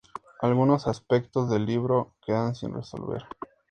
Algunos aspectos del libro quedan sin resolver.